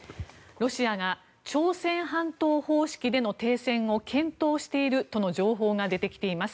ロシアが朝鮮半島方式での停戦を検討しているとの情報が出てきています。